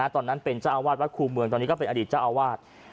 ตอนนั้นเป็นเจ้าอาวาสวัดครูเมืองตอนนี้ก็เป็นอดีตเจ้าอาวาส